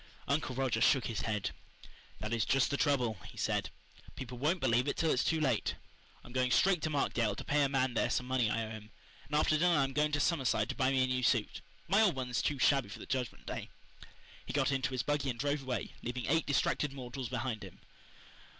Uncle Roger shook his head. "That is just the trouble," he said. "People won't believe it till it's too late. I'm going straight to Markdale to pay a man there some money I owe him, and after dinner I'm going to Summerside to buy me a new suit. My old one is too shabby for the Judgment Day." He got into his buggy and drove away, leaving eight distracted mortals behind him.